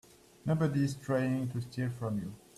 Nobody's trying to steal from you.